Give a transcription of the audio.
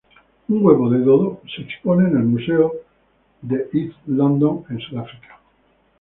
Un huevo de dodo se expone en el museo de East London en Sudáfrica.